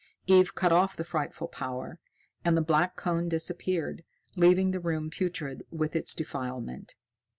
Eve cut off the frightful power, and the black cone disappeared, leaving the room putrid with its defilement.